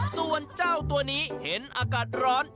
ส่วนเจ้าตัวนี้เห็นอากาศร้อน